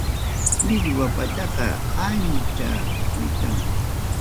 Millwa pachaqa ancha qunicham.